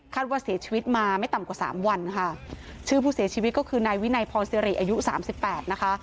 ว่าเสียชีวิตมาไม่ต่ำกว่าสามวันค่ะชื่อผู้เสียชีวิตก็คือนายวินัยพรสิริอายุสามสิบแปดนะคะ